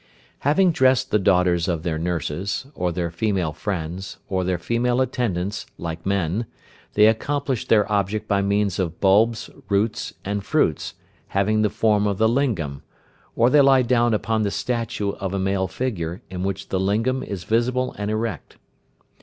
Having dressed the daughters of their nurses, or their female friends, or their female attendants, like men, they accomplish their object by means of bulbs, roots, and fruits having the form of the Lingam, or they lie down upon the statue of a male figure, in which the Lingam is visible and erect.